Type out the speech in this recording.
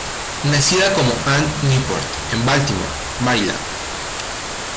Nacida como Anne Newport en Baltimore, Maryland.